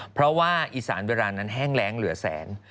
เพราะว่าอีสานเวลานั้นแห้งแรงเหลือแสน